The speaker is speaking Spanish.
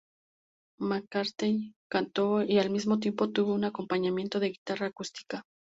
McCartney cantó y al mismo tiempo tuvo un acompañamiento de guitarra acústica.